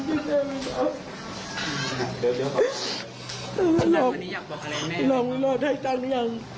เดี๋ยวเข้าไป